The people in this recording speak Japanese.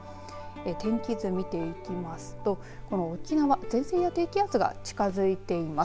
天気図を見ていきますとこの沖縄前線や低気圧が近づいています。